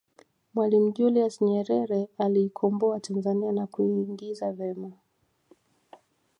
mwalimu julius nyerere aliikomboa tanzania na kuingiza vema